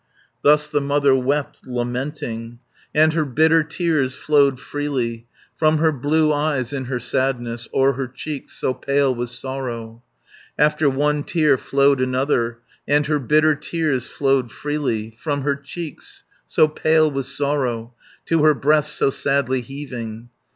Thus the mother wept, lamenting, And her bitter tears flowed freely From her blue eyes in her sadness, O'er her cheeks, so pale with sorrow. 450 After one tear flowed another, And her bitter tears flowed freely From her cheeks, so pale with sorrow, To her breast, so sadly heaving.